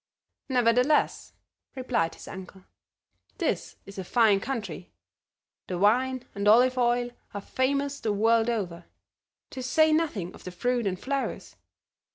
"Nevertheless," replied his uncle, "this is a fine country; the wine and olive oil are famous the world over, to say nothing of the fruit and flowers.